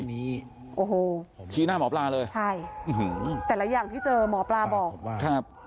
นี้โอ้โหผมชี้หน้าหมอปลาเลยใช่แต่ละอย่างที่เจอหมอปลาบอกว่าครับ